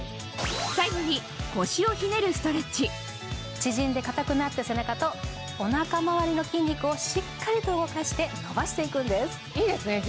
最後に縮んで硬くなった背中とお腹回りの筋肉をしっかりと動かして伸ばしていくんです。